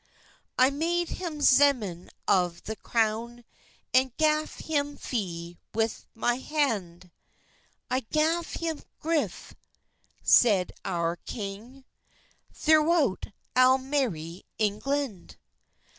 "I made hem zemen of the crowne, And gaf hem fee with my hond, I gaf hem grithe," seid oure kyng, "Thorowout alle mery Inglond.